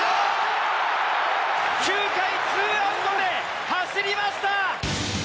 ９回ツーアウトで走りました！